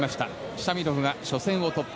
シャミロフが初戦を突破。